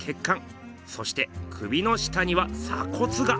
そして首の下には鎖骨が。